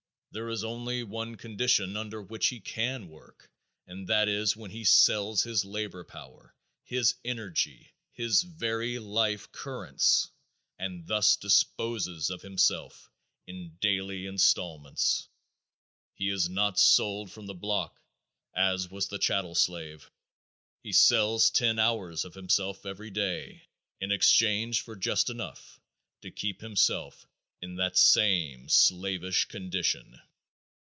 There is only one condition under which he can work and that is when he sells his labor power, his energy, his very life currents, and thus disposes of himself in daily installments. He is not sold from the block, as was the chattel slave. He sells ten hours of himself every day in exchange for just enough to keep himself in that same slavish condition.